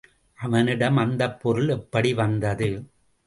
அவனிடம் அந்தப் பொருள் எப்படி வந்தது?